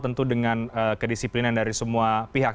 tentu dengan kedisiplinan dari semua pihak